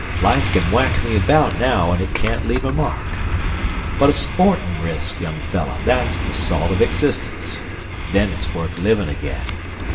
Life can whack me about now, and it can't leave a mark. But a sportin' risk, young fellah, that's the salt of existence. Then it's worth livin' again.